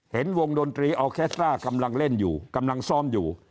เห็นวงดนตรีออเคสตรากำลังเล่นอยู่กำลังซ้อมอยู่